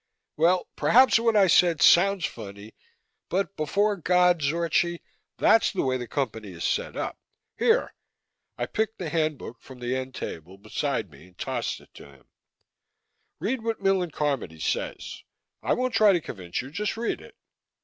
Well, perhaps what I said sounds funny. But, before God, Zorchi, that's the way the Company is set up. Here " I picked the Handbook from the end table beside me and tossed it to him "read what Millen Carmody says. I won't try to convince you. Just read it."